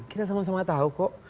kita sama sama tahu kok